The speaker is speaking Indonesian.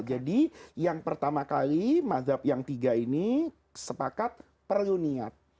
jadi yang pertama kali mazhab yang tiga ini sepakat perlu niat